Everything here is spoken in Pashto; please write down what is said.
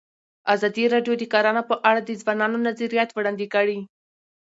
ازادي راډیو د کرهنه په اړه د ځوانانو نظریات وړاندې کړي.